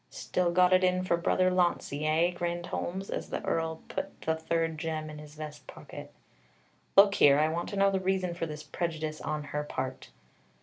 "Still got it in for Brother Launcie, eh?" grinned Holmes, as the Earl put the third gem in his vest pocket. "Look here, I want to know the reason for this prejudice on her part."